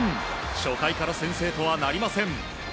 初回から先制とはなりません。